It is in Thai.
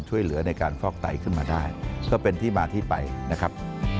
ช่วยเหลือในการฟอกไตขึ้นมาได้ก็เป็นที่มาที่ไปนะครับ